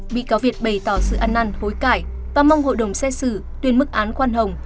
bị cáo việt bày tỏ sự ăn năn hối cải và mong hội đồng xét xử tuyên mức án khoan hồng